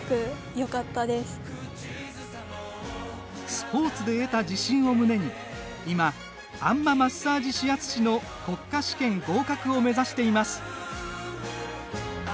スポーツで得た自信を胸に今、あん摩マッサージ指圧師の国家試験合格を目指しています。